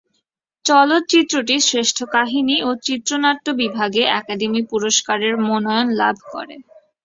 চলচ্চিত্রটি শ্রেষ্ঠ কাহিনি ও চিত্রনাট্য বিভাগে একাডেমি পুরস্কারের মনোনয়ন লাভ করে।